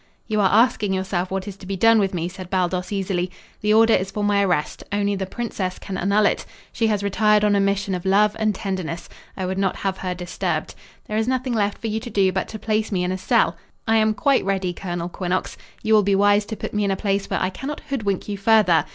"You are asking yourself what is to be done with me," said Baldos easily. "The order is for my arrest. Only the princess can annul it. She has retired on a mission of love and tenderness. I would not have her disturbed. There is nothing left for you to do but to place me in a cell. I am quite ready, Colonel Quinnox. You will be wise to put me in a place where I cannot hoodwink you further.